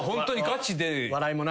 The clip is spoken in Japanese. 笑いもなく？